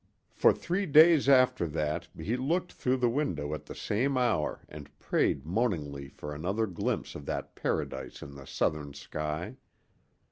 For three days after that he looked through the window at the same hour and prayed moaningly for another glimpse of that paradise in the southern sky.